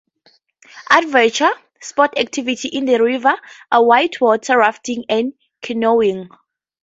Adventure sports activities in the river are white-water rafting and canoeing.